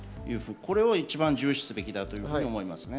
これを一番重視すべきだと思いますね。